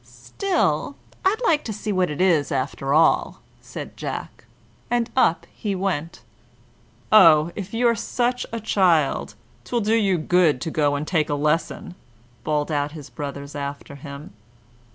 "Still, I'd like to see what it is, after all," said Jack; and up he went. "Oh, if you're such a child, 'twill do you good to go and take a lesson," bawled out his brothers after him.